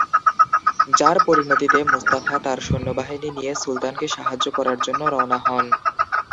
যার পরিণতিতে মুস্তাফা তার সৈন্যবাহিনী নিয়ে সুলতানকে সাহায্য করার জন্য রওনা হন।